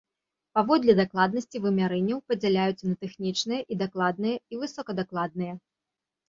Паводле дакладнасці вымярэнняў падзяляюцца на тэхнічныя і дакладныя і высокадакладныя.